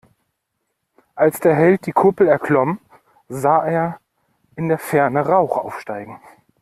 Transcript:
Als der Held die Kuppel erklomm, sah er in der Ferne Rauch aufsteigen.